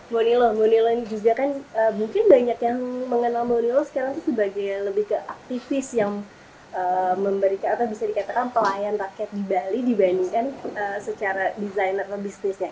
mbak nilo mbak nilo ini juga kan mungkin banyak yang mengenal mbak nilo sekarang sebagai lebih ke aktivis yang memberikan atau bisa dikatakan pelayan rakyat di bali dibandingkan secara desainer atau bisnisnya